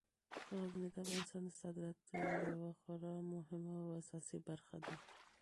غزني د افغانستان د صادراتو یوه خورا مهمه او اساسي برخه ده.